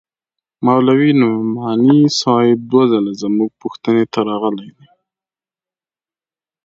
مولوي نعماني صاحب دوه ځله زموږ پوښتنې ته راغلى دى.